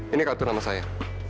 ini kartu nama saya